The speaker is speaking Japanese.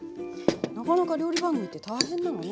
なかなか料理番組って大変なのね。